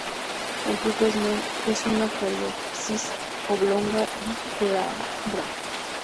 El fruto es una cariopsis oblonga y glabra.